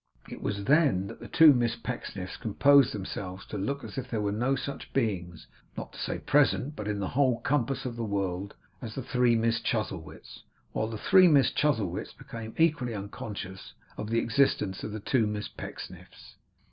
It was then that the two Miss Pecksniffs composed themselves to look as if there were no such beings not to say present, but in the whole compass of the world as the three Miss Chuzzlewits; while the three Miss Chuzzlewits became equally unconscious of the existence of the two Miss Pecksniffs.